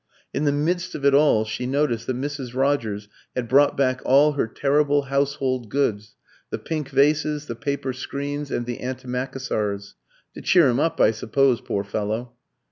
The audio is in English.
In the midst of it all she noticed that Mrs. Rogers had brought back all her terrible household goods, the pink vases, the paper screens, and the antimacassars "To cheer him up, I suppose, poor fellow!"